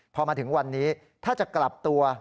พอมาถึงวันนี้ถ้าจะกลับตัว